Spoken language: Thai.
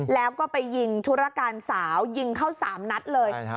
แล้วก็ไปยิงธุรการสาวยิงเข้า๓นัดเลย